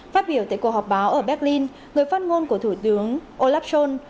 phát biểu tại cuộc họp báo ở berlin người phát ngôn của thủ tướng olaf schol